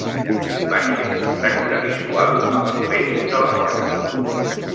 Vaig fer contacte visual amb un peix de l'aquari.